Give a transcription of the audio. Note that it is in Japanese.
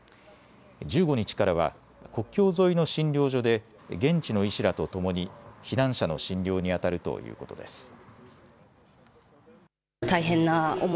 １５日からは国境沿いの診療所で現地の医師らとともに避難者の診療にあたるということです。